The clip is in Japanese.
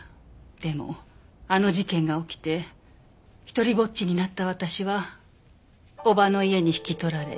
でもあの事件が起きて一人ぼっちになった私は叔母の家に引き取られ。